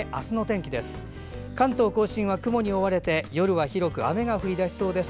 関東・甲信は雲に覆われて夜は広く雨が降り出しそうです。